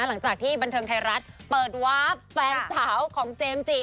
หลังจากที่บันเทิงไทยรัฐเปิดวาร์ฟแฟนสาวของเจมส์จิ